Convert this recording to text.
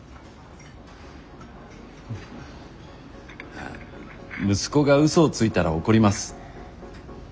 まあ息子が嘘をついたら怒ります。